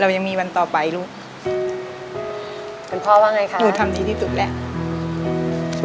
เราต้องอาชีพกว่านี้ครับ